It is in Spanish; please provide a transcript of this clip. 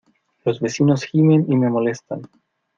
Los vecinos gimen y me molestan.